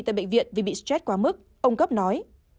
tại bệnh viện vì bị stress quá mức ông gấp nói